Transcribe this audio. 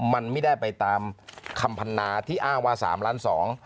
มันไม่ได้ไปตามคำพันนาที่อ้างว่าสามล้านสอง